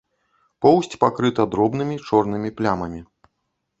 Поўсць пакрыта дробнымі чорнымі плямамі.